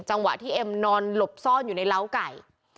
จังหวะที่เอ็มนอนหลบซ่อนอยู่ในเล้าไก่